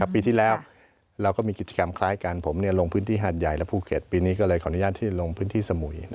ปีที่แล้วเราก็มีกิจกรรมคล้ายกันผมลงพื้นที่หาดใหญ่และภูเก็ตปีนี้ก็เลยขออนุญาตที่ลงพื้นที่สมุย